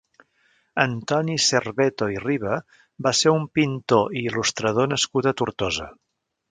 Antoni Cerveto i Riba va ser un pintor i il·lustrador nascut a Tortosa.